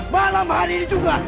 malam hari ini juga